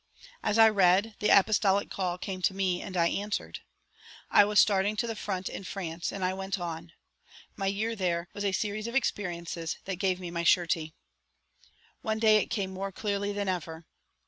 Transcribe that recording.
As I read, the apostolic call came to me and I answered. I was starting to the front in France, and I went on. My year there was a series of experiences that gave me my surety. One day it came more clearly than ever.